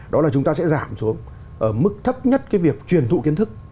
đó là chúng ta sẽ giảm xuống ở mức thấp nhất cái việc truyền thụ kiến thức